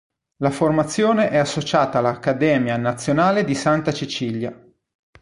La formazione è associata all'Accademia Nazionale di Santa Cecilia.